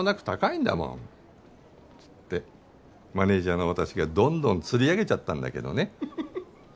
ってマネジャーの私がどんどん釣り上げちゃったんだけどね。